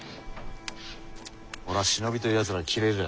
俺は忍びというやつらが嫌えじゃ。